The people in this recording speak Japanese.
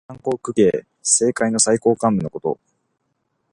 三公九卿。政界の最高幹部のこと。